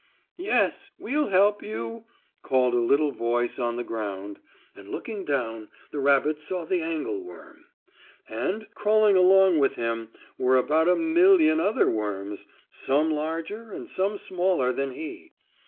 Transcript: "Yes, we'll help you!" called a little voice on the ground, and, looking down the rabbit saw the angle worm. And, crawling along with him were about a million other worms, some larger and some smaller than he.